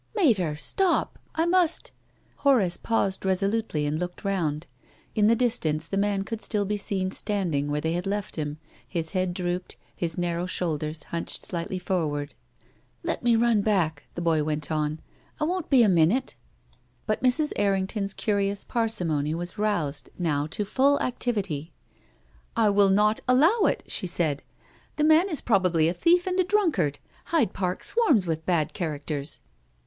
" Mater— stop ! I must " Horace paused resolutely and looked round. In the distance the man could still be seen standing where they had left him, his head drooped, his narrow shoulders hunclied slightly forward. " Let me run back," the boy went on ;" I won't be a minuU." 354 TONGUES OF CONSCIENCE. But Mrs. Errington's curious parsimony was roused now to full activity. " I will not allow it," she said ;" the man is probably a thief and a drunkard. Hyde Park swarms with bad characters."